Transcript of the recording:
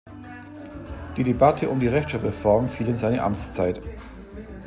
Die Debatte um die Rechtschreibreform fiel in seine Amtszeit.